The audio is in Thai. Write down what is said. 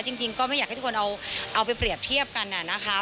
จริงก็ไม่อยากให้ทุกคนเอาไปเปรียบเทียบกันนะคะ